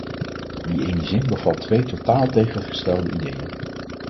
Die ene zin bevat twee totaal tegengestelde ideeën.